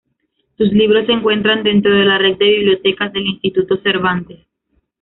Sus libros se encuentran dentro de la red de bibliotecas del Instituto Cervantes.